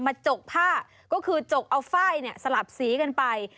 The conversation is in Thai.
จกผ้าก็คือจกเอาฝ้ายเนี่ยสลับสีกันไป